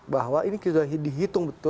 bahwa ini sudah dihitung betul